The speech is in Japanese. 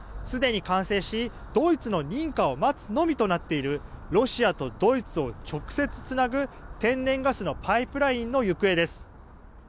すでに完成しドイツの認可を待つのみとなっているロシアとドイツを直接つなぐ天然ガスのパイプラインの行方です。